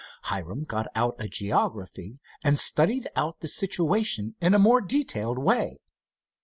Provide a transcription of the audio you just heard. Hiram got out a geography and studied out the situation in a more detailed way.